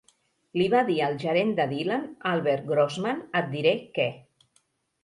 Li va dir al gerent de Dylan, Albert Grossman, et diré què.